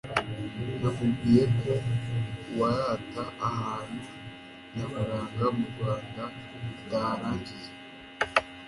Nakubwiye ko uwarata ahantu nyaburanga mu Rwanda ataharangiza.